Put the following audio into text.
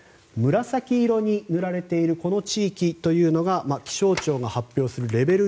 紫色に塗られているこの地域というのが気象庁が発表するレベル